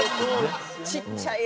ちっちゃい襟。